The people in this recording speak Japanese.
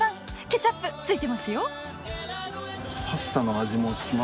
ケチャップついてますよ